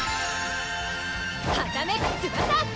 はためく翼！